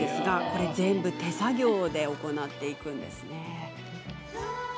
これも全部手作業で行っているんです。